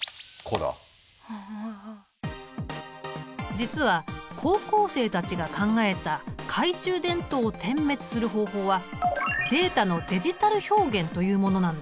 実は高校生たちが考えた懐中電灯を点滅する方法はデータのデジタル表現というものなんだ。